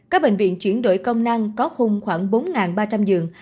các bệnh viện chuyển đổi công năng có khung khoảng bốn ba trăm linh giường